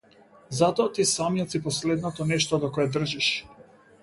Затоа ти самиот си последното нешто до кое држиш.